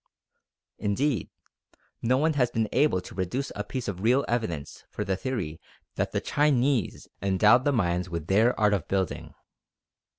Indeed, no one has been able to produce a piece of real evidence for the theory that the Chinese endowed the Mayans with their art of building.